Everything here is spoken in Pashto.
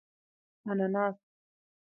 🍍 انناس